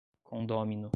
condômino